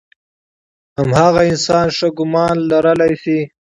هماغه انسان ښه ګمان لرلی شي.